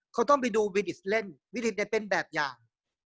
เขาต้องไปดูวิดิสเล่นวิดิตเป็นแบบอย่าง